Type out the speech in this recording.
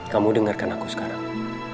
kamu dengarkan aku sekarang